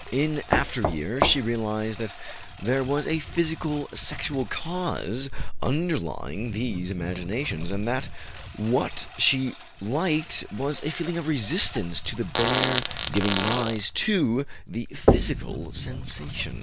In after years she realized that there was a physical sexual cause underlying these imaginations, and that what she liked was a feeling of resistance to the bear giving rise to the physical sensation.